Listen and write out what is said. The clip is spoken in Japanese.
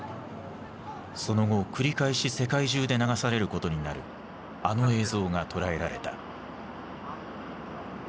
その後繰り返し世界中で流されることになるあの映像が捉えられた。